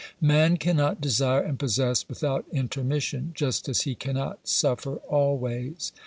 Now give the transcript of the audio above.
Man cannot desire and possess without intermission, just as he cannot suffer always.